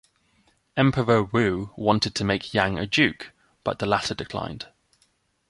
Emperor Wu wanted to make Yang a duke, but the latter declined.